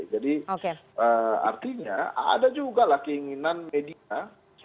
jadi artinya ada juga lah keinginan media